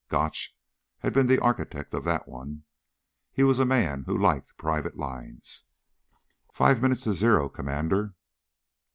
Gotch had been the architect of that one. He was a man who liked private lines. "Five minutes to zero, Commander."